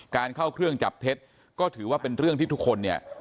เข้าเครื่องจับเท็จก็ถือว่าเป็นเรื่องที่ทุกคนเนี่ย